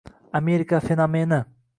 Amerika fenomeni